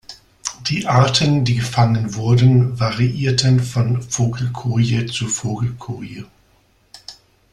Die Arten, die gefangen wurden, variierten von Vogelkoje zu Vogelkoje.